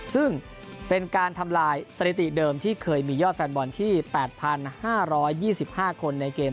ซึ่งเป็นการทำลายสถิติเดิมที่เคยมียอดแฟนบอลที่๘๕๒๕คนในเกม